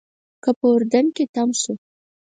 کله به اردن کې تم شو.